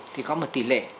thì có một tỷ lệ